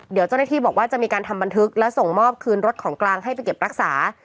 เดี๋ยวเจ้าหน้าที่บอกว่าจะมีการทำบันทึกและส่งมอบคืนรถของกลางให้ไปเก็บรักษา